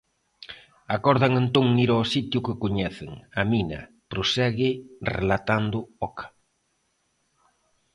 Acordan entón ir ao sitio que coñecen, a mina, prosegue relatando Oca.